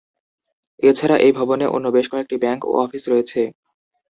এছাড়া এই ভবনে অন্য বেশ কয়েকটি ব্যাংক ও অফিস রয়েছে।